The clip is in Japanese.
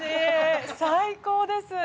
最高です。